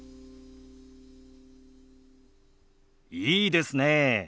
いいですね。